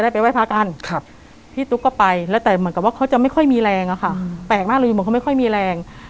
ไปไห้พระกันพี่ตุ๊กก็ไปแล้วแต่เหมือนกับว่าเขาจะไม่ค่อยมีแรงอะค่ะแปลกมากเลยอยู่เหมือนเขาไม่ค่อยมีแรง